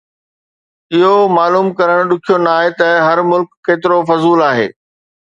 اهو معلوم ڪرڻ ڏکيو ناهي ته هر ملڪ ڪيترو فضول آهي